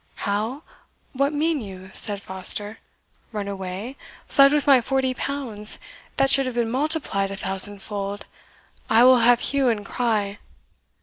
"How! what mean you?" said Foster "run away fled with my forty pounds, that should have been multiplied a thousand fold? I will have Hue and Cry!"